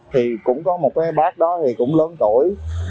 thì cũng có một cái bác đó thì cũng lớn tuổi